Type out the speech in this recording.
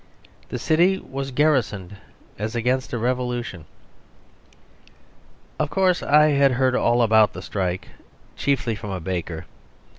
The city was garrisoned as against a revolution. Of course, I had heard all about the strike, chiefly from a baker.